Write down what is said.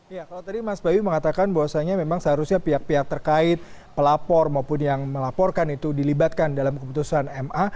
ya kalau tadi mas bayu mengatakan bahwasannya memang seharusnya pihak pihak terkait pelapor maupun yang melaporkan itu dilibatkan dalam keputusan ma